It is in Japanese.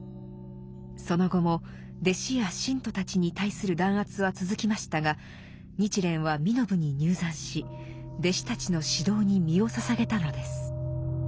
その後も弟子や信徒たちに対する弾圧は続きましたが日蓮は身延に入山し弟子たちの指導に身を捧げたのです。